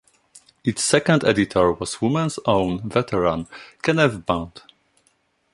Its second editor was "Woman's Own" veteran Kenneth Bound.